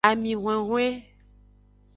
Ami hwenhwen.